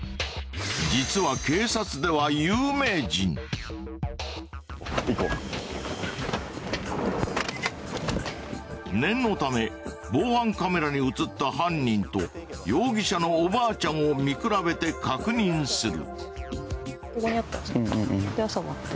実は念のため防犯カメラに映った犯人と容疑者のおばあちゃんを見比べて確認する。